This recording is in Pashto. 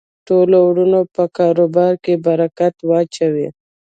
ټولو ورونو په کاربار کی برکت واچوی